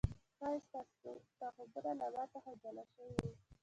ښايي ستا خوبونه له ما څخه جلا شوي و